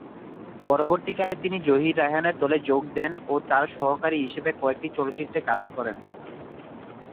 পরবর্তীকালে তিনি জহির রায়হানের দলে যোগ দেন ও তার সহকারী হিসেবে কয়েকটি চলচ্চিত্রে কাজ করেন।